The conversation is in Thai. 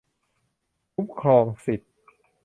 คุ้มครองสิทธิ์